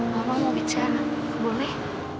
mama mau bicara boleh